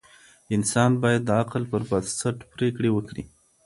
انسان باید د عقل پر بنسټ پریکړې وکړي.